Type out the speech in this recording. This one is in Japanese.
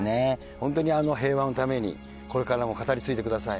本当に平和のために、これからも語り継いでください。